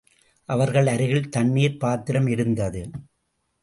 அவர்கள் அருகில் தண்ணீர் பாத்திரம் இருந்தது.